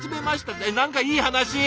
えっ何かいい話。